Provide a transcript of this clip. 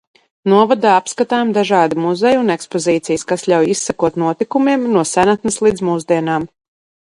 Novadā apskatāmi dažādi muzeji un ekspozīcijas, kas ļauj izsekot notikumiem no senatnes līdz mūsdienām.